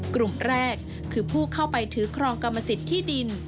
กลุ่มแรกคือผู้เข้าไปถือครองกรรมสิทธิ์ที่ดิน